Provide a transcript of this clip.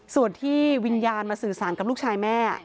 ส่วนที่วิญญาณมาสื่อสารกับลูกชายแม่